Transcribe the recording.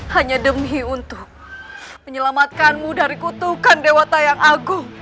hanya demi untuk menyelamatkanmu dari kutukan dewa tayang agung